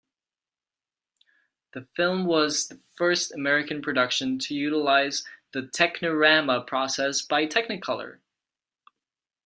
The film was the first American production to utilize the Technirama process by Technicolor.